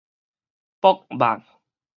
爆肉